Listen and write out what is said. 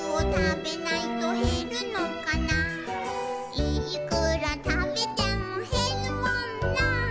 「いーくらたべてもへるもんなー」